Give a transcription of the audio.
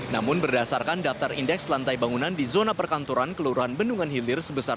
namun berdasarkan daftar indeks lantai bangunan di zona perkantoran kelurahan bendungan hilir sebesar